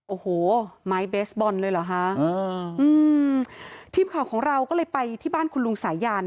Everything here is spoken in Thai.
โอ้โหไม้เบสบอลเลยเหรอคะอืมทีมข่าวของเราก็เลยไปที่บ้านคุณลุงสายาน